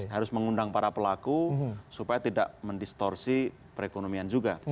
harus mengundang para pelaku supaya tidak mendistorsi perekonomian juga